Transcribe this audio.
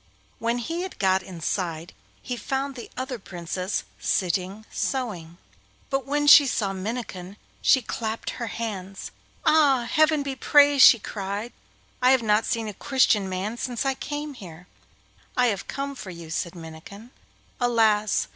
When he had got inside he found the other Princess sitting sewing, but when she saw Minnikin she clapped her hands. 'Ah, heaven be praised!' she cried, 'I have not seen a Christian man since I came here.' 'I have come for you,' said Minnikin. 'Alas!